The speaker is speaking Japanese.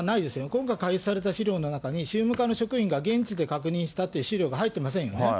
今回、開示された資料の中に、宗務課の職員が現地で確認したっていう資料が入ってませんよね。